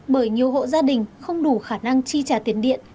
bởi nhiều hộ gia đình không đủ khả năng chi trả tiền điện